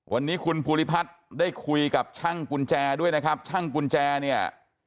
วันนี้คุณภูริพัฒน์ได้คุยกับช่างกุญแจด้วยนะครับช่างกุญแจเนี่ย